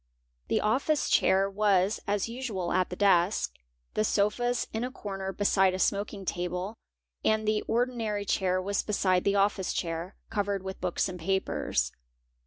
The office chair was as usual at the desk, the sofas in a corner beside a smoking table, and the ordinary chair was beside the office chair, covered ith books and papers.